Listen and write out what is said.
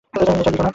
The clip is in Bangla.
এটা লিখো না।